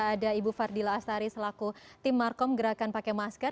ada ibu fardila astari selaku tim markom gerakan pakai masker